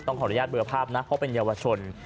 ขออนุญาตเบลอภาพนะเพราะเป็นเยาวชน